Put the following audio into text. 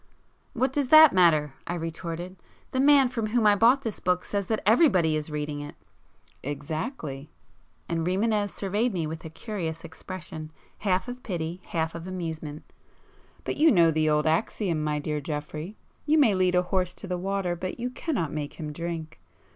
"What does that matter!" I retorted—"The man from whom I bought this book says that everybody is reading it." "Exactly!" and Rimânez surveyed me with a curious expression, half of pity, half of amusement—"But you know the old axiom, my dear Geoffrey?—'you may lead a horse to the water but you cannot make him drink.